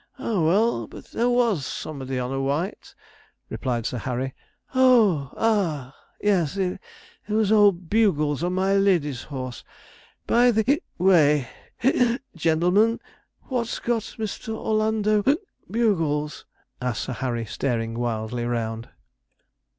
'Ah, well; but there was somebody on a white,' replied Sir Harry. 'Oh ah yes it was old Bugles on my lady's horse. By the way, gentlemen, what's got Mr. Orlando Bugles?' asked Sir Harry, staring wildly round.